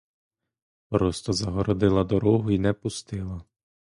Просто загородила дорогу й не пустила.